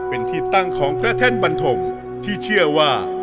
เป็นที่ตั้งของพระแท่นบันทมที่เชื่อว่า